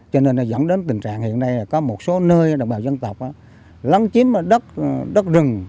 cho nên nó dẫn đến tình trạng hiện nay là có một số nơi đồng bào dân tộc lấn chín đất rừng